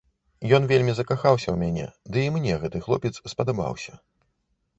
Ён вельмі закахаўся ў мяне, дый мне гэты хлопец спадабаўся.